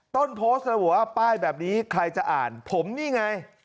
ต้นโพสต์ระบุว่าป้ายแบบนี้ใครจะอ่านผมนี่ไง